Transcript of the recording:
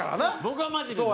僕はマジです。